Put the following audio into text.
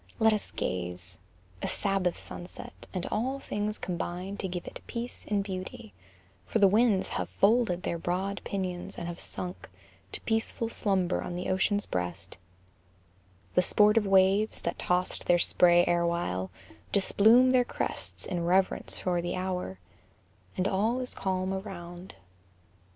Let us gaze: A Sabbath sunset; and all things combine To give it peace and beauty; for the winds Have folded their broad pinions, and have sunk To peaceful slumber on the ocean's breast The sportive waves, that tossed their spray erewhile, Displume their crests in reverence for the hour, And all is calm around.